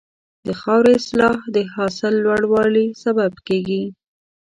د خاورې اصلاح د حاصل لوړوالي سبب کېږي.